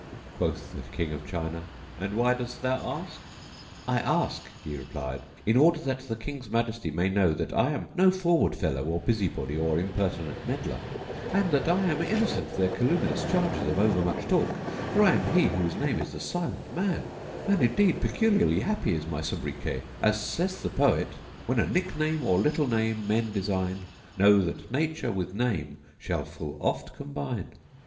Quoth the King of China, "And why dost thou ask?" "I ask," he replied, "in order that the King's majesty may know that I am no forward fellow or busy body or impertinent meddler; and that I am innocent of their calumnious charges of overmuch talk; for I am he whose name is the Silent Man, and indeed peculiarly happy is my sobriquet, as saith the poet: When a nickname or little name men design, * Know that nature with name shall full oft combine."